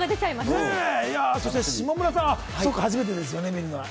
そして下村さん、初めてですよね。